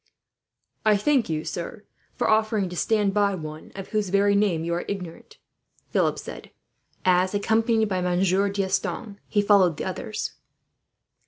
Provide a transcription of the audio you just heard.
"I thank you, sir, for offering to stand by one of whose very name you are ignorant," Philip said as, accompanied by Monsieur D'Estanges, he followed the others.